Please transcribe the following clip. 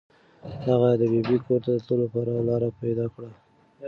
هغه د ببۍ کور ته د تللو لپاره لاره پیدا کړه.